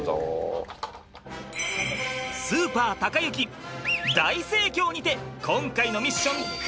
スーパーたかゆき大盛況にて今回のミッションクリア！